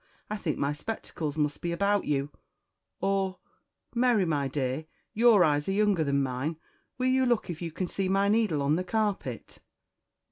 I think my spectacles must be about you " or, "Mary, my dear, your eyes are younger than mine, will you look if you can see my needle on the carpet?"